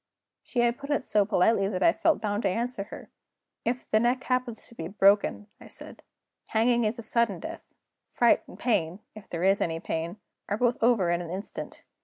She had put it so politely that I felt bound to answer her. 'If the neck happens to be broken,' I said, 'hanging is a sudden death; fright and pain (if there is any pain) are both over in an instant.